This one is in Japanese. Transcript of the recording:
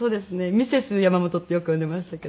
「ミセス山本」ってよく呼んでましたけど。